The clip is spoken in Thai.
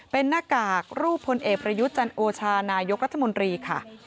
เป็นหน้ากากรูปพลเอกประยุทธ์จันโอชานายกรัฐมนตรีค่ะ